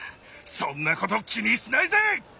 そんなこと気にしないぜ！